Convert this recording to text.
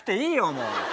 もう。